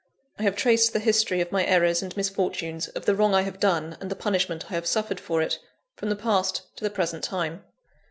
I have traced the history of my errors and misfortunes, of the wrong I have done and the punishment I have suffered for it, from the past to the present time.